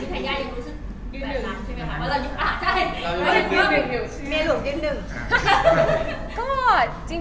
มีหลวงยืดหนึ่ง